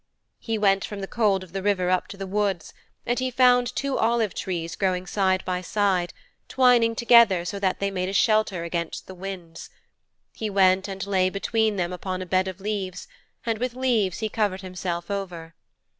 He went from the cold of the river up to the woods, and he found two olive trees growing side by side, twining together so that they made a shelter against the winds. He went and lay between them upon a bed of leaves, and with leaves he covered himself over.